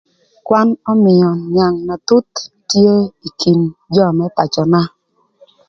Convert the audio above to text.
Kwan ömïö nïang na thut tye ï kin jö më pacöna.